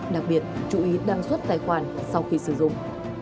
đặc biệt chú ý đăng suất tài khoản sau khi sử dụng